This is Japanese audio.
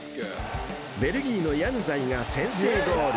［ベルギーのヤヌザイが先制ゴール］